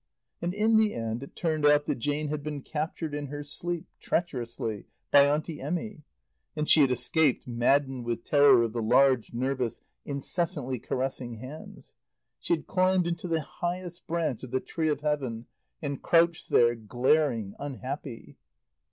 And in the end it turned out that Jane had been captured in her sleep, treacherously, by Auntie Emmy. And she had escaped, maddened with terror of the large, nervous, incessantly caressing hands. She had climbed into the highest branch of the tree of Heaven, and crouched there, glaring, unhappy.